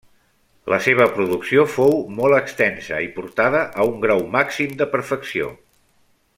La seva producció fou molt extensa, i portada a un grau màxim de perfecció.